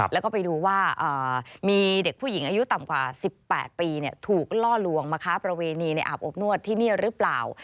แล้วก็ไปดูว่ามีเด็กผู้หญิงอายุต่ำกว่า๑๘ปีถูกล่อลวงมาค้าประเวณีในอาบอบนวดที่นี่หรือเปล่า